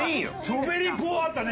「チョベリぽ」あったね。